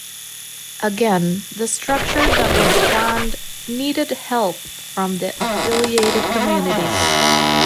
Again, the structure that was planned needed help from the affiliated communities.